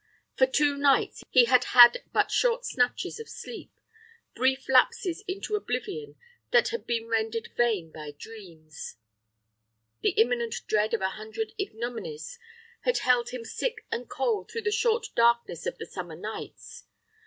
For two nights he had had but short snatches of sleep, brief lapses into oblivion that had been rendered vain by dreams. The imminent dread of a hundred ignominies had held him sick and cold through the short darkness of the summer nights.